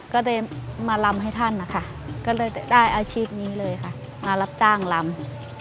ก็เลยมาลำให้ท่านนะคะก็เลยได้อาชีพนี้เลยค่ะมารับจ้างลำ